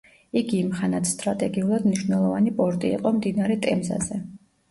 იგი იმ ხანად სტრატეგიულად მნიშვნელოვანი პორტი იყო მდინარე ტემზაზე.